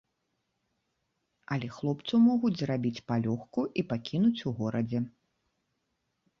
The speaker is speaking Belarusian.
Але хлопцу могуць зрабіць палёгку і пакінуць у горадзе.